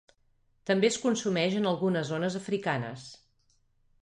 També es consumeix en algunes zones africanes.